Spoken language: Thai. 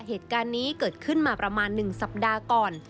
เหตุการณ์นี้เกิดขึ้นมาประมาณ๑สัปดาห์ก่อน